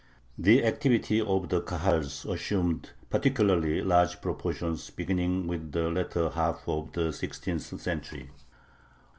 The activity of the Kahals assumed particularly large proportions beginning with the latter half of the sixteenth century.